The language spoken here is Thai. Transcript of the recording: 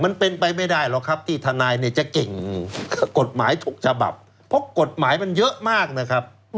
มันเป็นไปไม่ได้หรอกครับที่ทนายเนี่ยจะเก่งกฎหมายทุกฉบับเพราะกฎหมายมันเยอะมากนะครับ